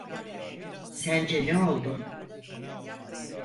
Sence ne oldu?